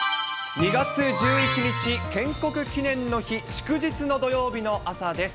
２月１１日建国記念の日、祝日の土曜日の朝です。